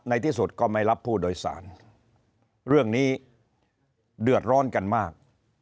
ที่สุดก็ไม่รับผู้โดยสารเรื่องนี้เดือดร้อนกันมาก